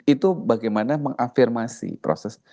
itu bagaimana mengafirmasi proses